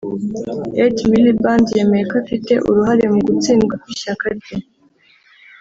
Ed Miliband yemeye ko afite uruhare mu gutsindwa kw’ishyaka rye